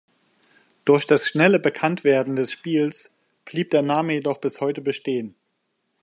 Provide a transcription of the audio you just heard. Durch das schnelle Bekanntwerden des Spieles blieb der Name jedoch bis heute bestehen.